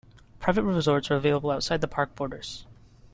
Private resorts are available outside the park borders.